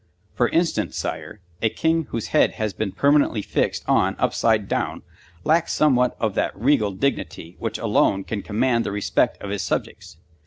For instance, Sire, a king whose head has been permanently fixed on upside down lacks somewhat of that regal dignity which alone can command the respect of his subjects.